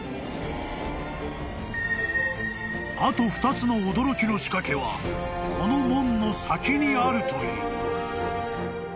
［あと２つの驚きの仕掛けはこの門の先にあるという］